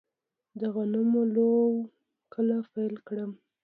د غنمو لو کله پیل کړم؟